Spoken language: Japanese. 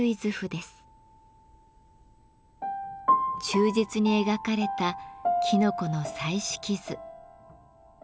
忠実に描かれたきのこの彩色図。